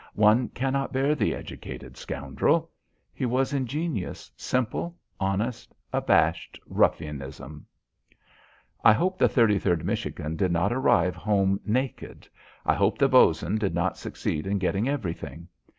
One cannot bear the educated scoundrel. He was ingenuous, simple, honest, abashed ruffianism. I hope the 33d Michigan did not arrive home naked. I hope the Bos'n did not succeed in getting everything.